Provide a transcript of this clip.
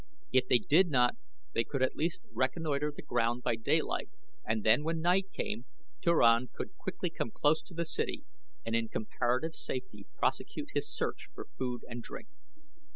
If they did not they could at least reconnoiter the ground by daylight, and then when night came Turan could quickly come close to the city and in comparative safety prosecute his search for food and drink.